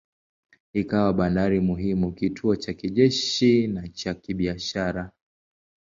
Ikawa bandari muhimu, kituo cha kijeshi na cha kibiashara.